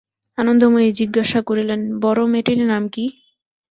আনন্দময়ী জিজ্ঞাসা করিলেন, বড়ো মেয়েটির নাম কী?